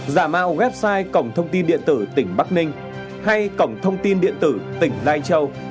giả mạo website cổng thông tin điện tử tỉnh bắc ninh hay cổng thông tin điện tử tỉnh lai châu